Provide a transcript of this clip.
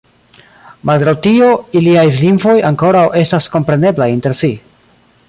Malgraŭ tio, iliaj lingvoj ankoraŭ estas kompreneblaj inter si.